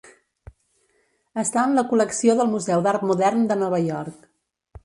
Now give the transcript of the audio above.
Està en la col·lecció del Museu d'Art Modern de Nova York.